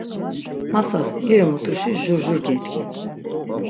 Masas iri mutuşi jur jur gedgin.